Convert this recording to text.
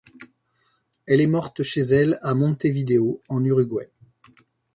Elle est morte chez elle à Montevideo, en Uruguay.